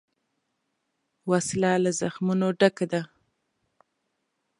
وسله له زخمونو ډکه ده